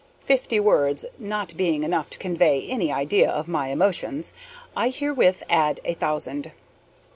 Fifty words not being enough to convey any idea of my emotions, I herewith add a thousand.